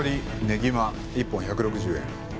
ねぎま１本１６０円。